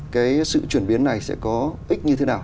cái sự chuyển biến này sẽ có ích như thế nào